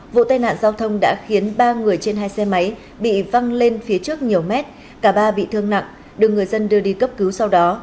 vụ tai nạn giao thông đã khiến ba người trên hai xe máy bị văng lên phía trước nhiều mét cả ba bị thương nặng được người dân đưa đi cấp cứu sau đó